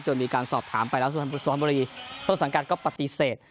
จนมีการสอบถามไปแล้วทรวงสังการก็ปฏิเสธ